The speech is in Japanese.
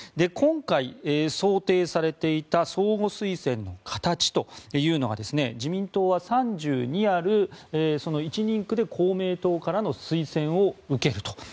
今回、想定されていた相互推薦の形というのが自民党は３２ある１人区で公明党からの推薦を受けると。